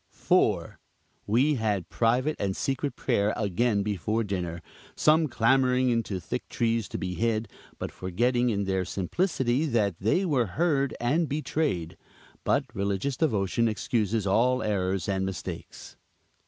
4. We had private and secret prayer again before dinner; some clambering into thick trees to be hid, but forgetting in their simplicity, that they were heard and betrayed. But religious devotion excuses all errors and mistakes.